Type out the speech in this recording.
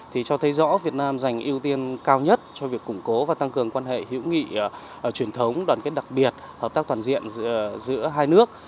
thì cho thấy rõ việt nam dành ưu tiên cao nhất cho việc củng cố và tăng cường quan hệ hữu nghị truyền thống đoàn kết đặc biệt hợp tác toàn diện giữa hai nước